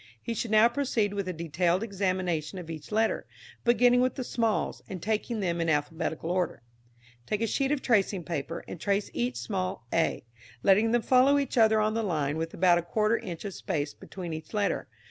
He should now proceed with a detailed examination of each letter, beginning with the smalls, and taking them in alphabetical order. Take a sheet of tracing paper and trace each small a, letting them follow each other on the line, with about a quarter inch of space between each letter.